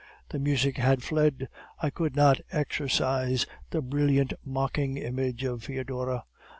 The music had fled. I could not exorcise the brilliant mocking image of Foedora.